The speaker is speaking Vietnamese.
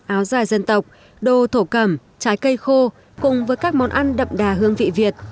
áo dài dân tộc đồ thổ cẩm trái cây khô cùng với các món ăn đậm đà hương vị việt